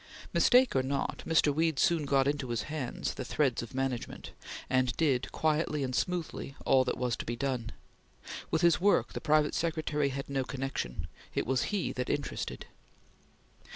Mistake or not, Mr. Weed soon got into his hands the threads of management, and did quietly and smoothly all that was to be done. With his work the private secretary had no connection; it was he that interested.